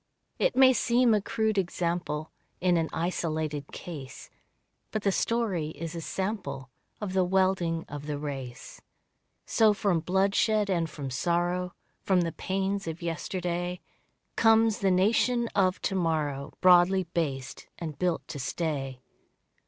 It may seem a crude example, In an isolated case, But the story is a sample Of the welding of the race. So from bloodshed and from sorrow, From the pains of yesterday, Comes the nation of to morrow Broadly based and built to stay.